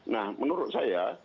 nah menurut saya